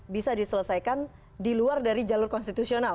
bisa diselesaikan di luar dari jalur konstitusional